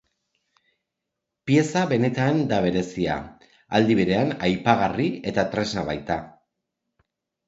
Pieza benetan da berezia, aldi berean apaingarri eta tresna baita.